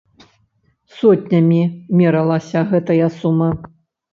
Сотнямі мералася гэтая сума!